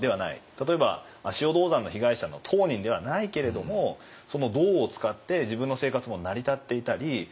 例えば足尾銅山の被害者の当人ではないけれども銅を使って自分の生活も成り立っていたりこの社会で一緒に生きている。